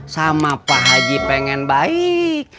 sama pak haji pengen baik